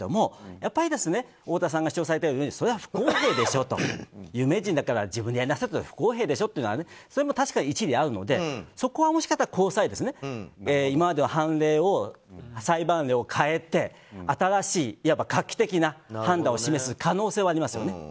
やっぱり太田さんが主張されているようにそれは不公平でしょと有名人だから自分でやりなさいというのは不公平でしょというのは一理あるのでそこはもしかしたら高裁が今までの判例裁判例を変えて、新しいいわば画期的な判断を示す可能性はありますよね。